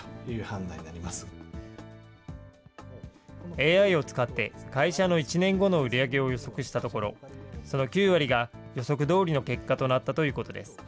ＡＩを使って、会社の１年後の売り上げを予測したところ、その９割が予測どおりの結果となったということです。